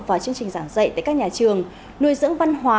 vào chương trình giảng dạy tới các nhà trường nuôi dưỡng văn hóa